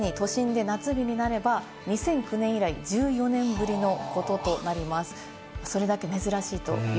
東京でもし１１月に都心で夏日になれば、２００９年以来、１４年ぶりのこととなります。